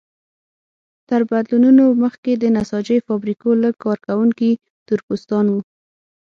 تر بدلونونو مخکې د نساجۍ فابریکو لږ کارکوونکي تور پوستان وو.